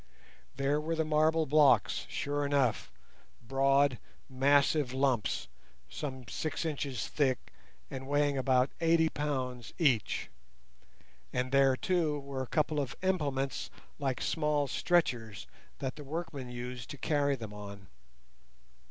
There were the marble blocks, sure enough, broad, massive lumps, some six inches thick, and weighing about eighty pounds each, and there, too, were a couple of implements like small stretchers, that the workmen used to carry them on.